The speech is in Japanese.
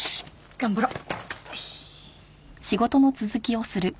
頑張ろう！